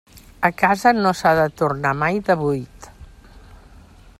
A casa, no s'ha de tornar mai de buit.